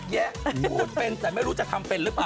แยะพูดเป็นแต่ไม่รู้จะทำเป็นหรือเปล่า